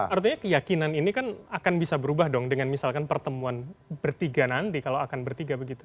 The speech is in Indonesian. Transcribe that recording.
artinya keyakinan ini kan akan bisa berubah dong dengan misalkan pertemuan bertiga nanti kalau akan bertiga begitu